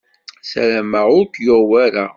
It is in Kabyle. Ssarameɣ ur k-yuɣ wara.